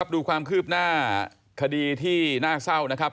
ดูความคืบหน้าคดีที่น่าเศร้านะครับ